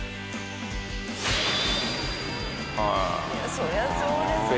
そりゃそうですよ。